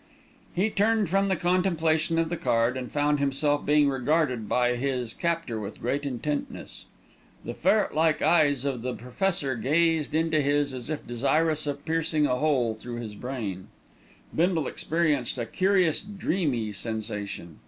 He turned from the contemplation of the card, and found himself being regarded by his captor with great intentness. The ferret like eyes of the Professor gazed into his as if desirous of piercing a hole through his brain. Bindle experienced a curious dreamy sensation.